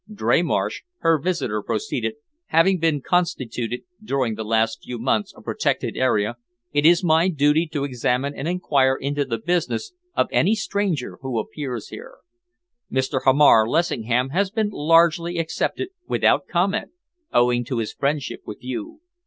"Dreymarsh," her visitor proceeded, "having been constituted, during the last few months, a protected area, it is my duty to examine and enquire into the business of any stranger who appears here. Mr. Hamar Lessingham has been largely accepted without comment, owing to his friendship with you.